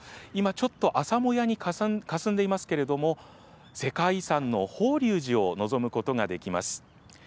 今ちょっと朝もやにかすんでいますけれども、世界遺産の法隆寺を望むことができます。